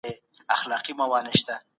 انسانانو له پخوا څخه د پوهي لار لټوله.